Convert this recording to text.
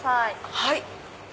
はい。